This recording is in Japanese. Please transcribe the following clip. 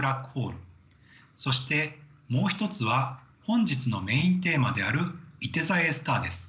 そしてもう１つは本日のメインテーマであるいて座Ａスターです。